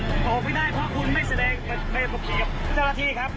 ออกไม่ได้เพราะคุณไม่แสดงในประกันกับเจ้าที่ครับ